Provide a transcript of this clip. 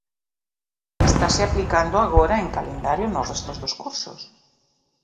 Estase aplicando agora en calendario no resto dos cursos.